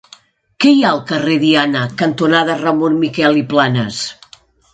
Què hi ha al carrer Diana cantonada Ramon Miquel i Planas?